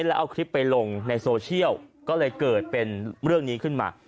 แล้วเอาคลิปไปลงในโซเชียลก็เลยเกิดเป็นเรื่องนี้ขึ้นมา